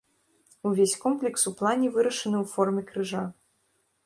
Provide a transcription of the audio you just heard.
Увесь комплекс у плане вырашаны ў форме крыжа.